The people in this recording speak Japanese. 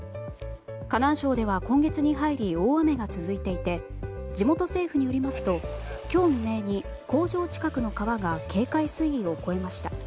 河南省では、今月に入り大雨が続いていて地元政府によりますと今日未明に工場近くの川が警戒水位を超えました。